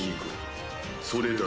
それだけだ。